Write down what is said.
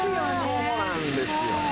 そうなんですよ。